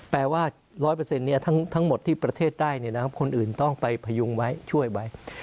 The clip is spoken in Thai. แปลว่า๑๐๐ทั้งหมดที่ประเทศได้คนอื่นต้องไปพยุงไว้ช่วยไว้